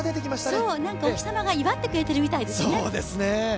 そうお日様が威張ってくれてるみたいですね。